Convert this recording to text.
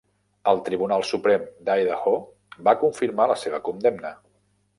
El tribunal suprem d'Idaho va confirmar la seva condemna.